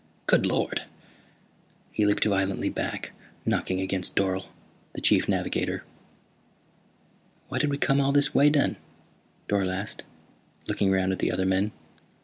"Good Lord!" He leaped violently back, knocking against Dorle, the Chief Navigator. "Why did we come all this way, then?" Dorle asked, looking around at the other men.